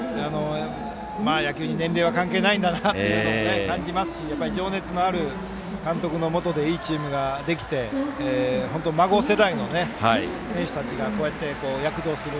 野球に年齢は関係ないんだなと感じますし情熱のある監督のもとでいいチームができて孫世代の選手たちがこうやって躍動する。